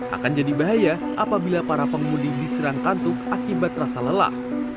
akan jadi bahaya apabila para pengemudi diserang kantuk akibat rasa lelah